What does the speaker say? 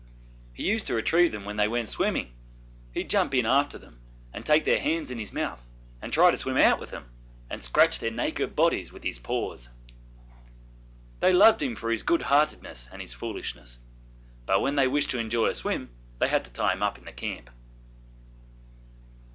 He used to retrieve them when they went in swimming; he'd jump in after them, and take their hands in his mouth, and try to swim out with them, and scratch their naked bodies with his paws. They loved him for his good heartedness and his foolishness, but when they wished to enjoy a swim they had to tie him up in camp.